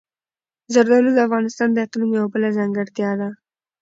زردالو د افغانستان د اقلیم یوه بله ځانګړتیا ده.